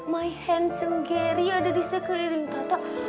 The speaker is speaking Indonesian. my handsome gary ada di sekitarin tata